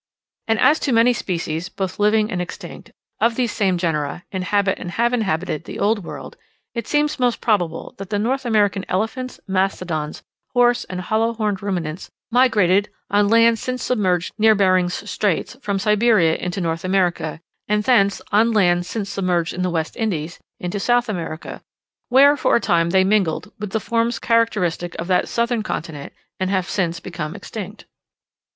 And as so many species, both living and extinct, of these same genera inhabit and have inhabited the Old World, it seems most probable that the North American elephants, mastodons, horse, and hollow horned ruminants migrated, on land since submerged near Behring's Straits, from Siberia into North America, and thence, on land since submerged in the West Indies, into South America, where for a time they mingled with the forms characteristic of that southern continent, and have since become extinct.